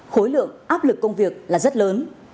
khối lượng áp lực công việc là rất lớn